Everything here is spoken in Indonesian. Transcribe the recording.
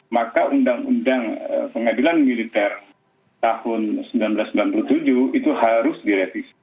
maka undang undang pengadilan militer tahun seribu sembilan ratus sembilan puluh tujuh itu harus direvisi